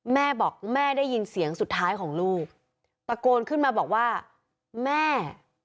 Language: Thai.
แม่บอกแม่ได้ยินเสียงสุดท้ายของลูกตะโกนขึ้นมาบอกว่าแม่